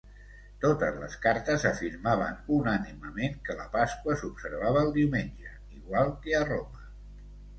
Totes les cartes afirmaven unànimement que la Pasqua s'observava el diumenge, igual que a Roma.